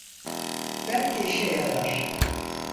Belki işe yarar.